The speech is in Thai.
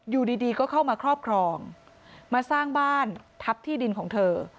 อยู่ดีก็เข้ามาครอบครองมาสร้างบ้านทัพที่ดินของเธอ